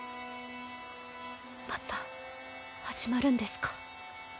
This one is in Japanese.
また始まるんですか？